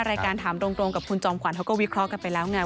รายการถามตรงกับคุณจอมขวัญเขาก็วิเคราะห์กันไปแล้วไง